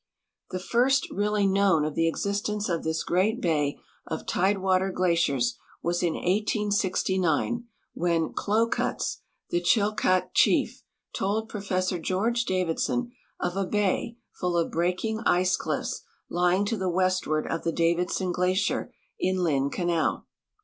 J'he first really known of the existence of this great bay of tide water glaciers was in 1869, when Kloh Kutz, the Chilkat chief, told Professor George Davidson of a l)ay full of breaking ice clifl's lying to the westward of the Davidson glacier in Lynn canal.